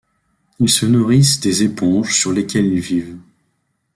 Ils se nourrissent des éponges sur lesquelles ils vivent.